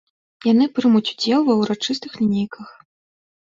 Яны прымуць удзел ва ўрачыстых лінейках.